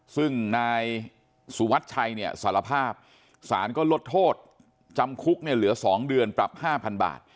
ซึ่งนายสุวัสดิ์ชัยเนี่ยสารภาพสารก็ลดโทษจำคุกเนี่ยเหลือ๒เดือนปรับ๕๐๐บาท